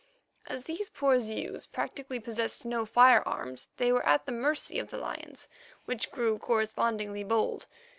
As these poor Zeus practically possessed no firearms, they were at the mercy of the lions, which grew correspondingly bold.